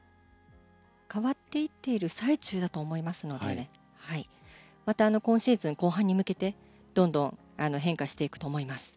変わっていっている最中だと思いますのでまた今シーズン後半に向けてどんどん変化してくと思います。